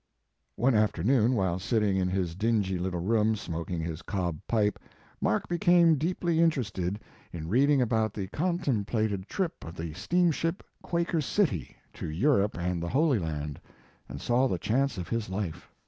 One afternoon while sitting in his dingy little room, smoking his cob pipe, Mark became deeply interested in reading Mark Twain about the contemplated trip of the steam ship Quaker City" to Europe and the Holy L,and, and saw the chance of his life.